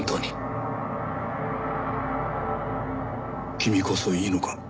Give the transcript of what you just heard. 君こそいいのか？